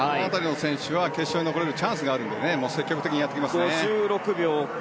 決勝に残れるチャンスがあるので積極的にやってきます。